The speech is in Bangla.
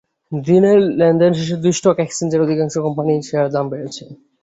দিনের লেনদেন শেষে দুই স্টক এক্সচেঞ্জেই অধিকাংশ কোম্পানির শেয়ারের দাম বেড়েছে।